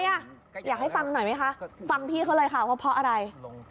อยากให้ฟังหน่อยไหมคะฟังพี่เขาเลยค่ะว่าเพราะอะไร